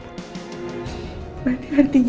berarti hatinya suami saya tidak ingin sama saya